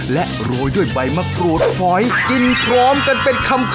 และโรยด้วยใบมะกรูดหอยกินพร้อมกันเป็นคำ